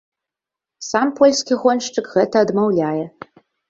Сам польскі гоншчык гэта адмаўляе.